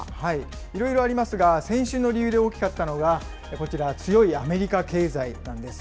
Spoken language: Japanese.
いろいろありますが、先週の理由で大きかったのが、こちら、強いアメリカ経済なんです。